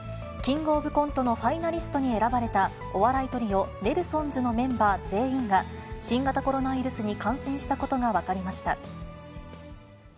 キングオブコントのファイナリストに選ばれた、お笑いトリオ、ネルソンズのメンバー全員が、新型コロナウイルスに感染したことが分かりました。